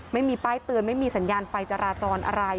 ไม่มีป้ายเตือนไม่มีสัญญาณไฟจราจรอะไร